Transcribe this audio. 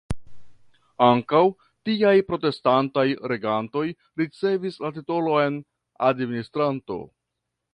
Ankaŭ tiaj protestantaj regantoj ricevis la titolon "administranto".